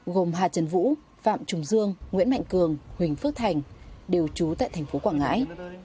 gồm hà trần vũ phạm trùng dương nguyễn mạnh cường huỳnh phước thành đều trú tại tp quảng ngãi